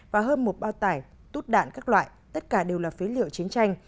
và hơn một bao tải tút đạn các loại tất cả đều là phế liệu chiến tranh